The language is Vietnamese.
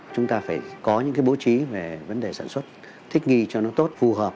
chúng ta phải có những cái bố trí về vấn đề sản xuất thích nghi cho nó tốt phù hợp